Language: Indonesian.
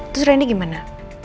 terus randy gimana